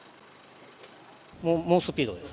猛スピードです。